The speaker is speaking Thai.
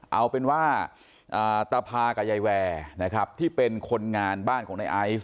เอาเป็นว่าตาพากับยายแวร์นะครับที่เป็นคนงานบ้านของในไอซ์